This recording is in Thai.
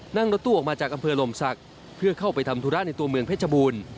นั่งรถตู้ออกมาจากอำเภอลมศักดิ์เพื่อเข้าไปทำธุระในตัวเมืองเพชรบูรณ์